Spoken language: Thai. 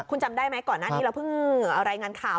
คุณจำได้ไหมก่อนหน้านี้เราเพิ่งรายงานข่าว